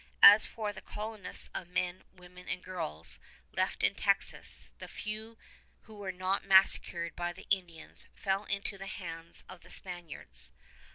As for the colonists of men, women, and girls left in Texas, the few who were not massacred by the Indians fell into the hands of the Spaniards.